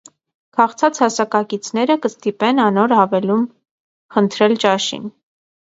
Քաղցած հասակակիցները կը ստիպեն անոր հավելում խնդրել ճաշին։